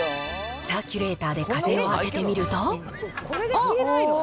サーキュレーターで風を当ててみると。